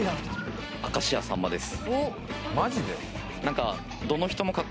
明石家さんまです。